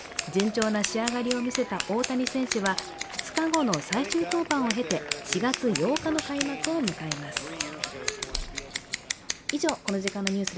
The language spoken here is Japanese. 順調な仕上がりを見せた大谷選手は２日後の最終登板を経て４月８日の開幕を迎えます。